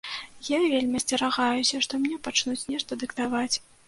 Я вельмі асцерагаюся, што мне пачнуць нешта дыктаваць.